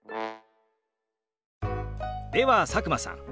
では佐久間さん。